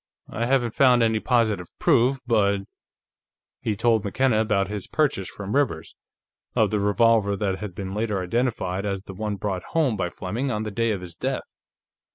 "I haven't found any positive proof, but " He told McKenna about his purchase, from Rivers, of the revolver that had been later identified as the one brought home by Fleming on the day of his death.